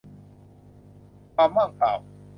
ความว่างเปล่า